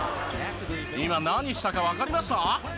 今何したかわかりました？